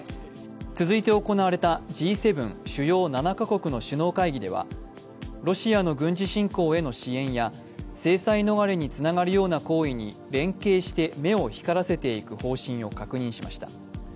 続いて行われたＧ７＝主要７か国の首脳会議ではロシアの軍事侵攻への支援や制裁逃れにつながるような行為に連携して目を光らせていく方針を確認しました。